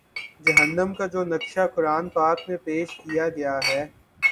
جہنم کا جو نقشہ قرآن پاک میں پیش کیا گیا ہے